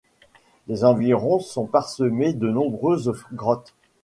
Les environs sont parsemés de nombreuses grottes.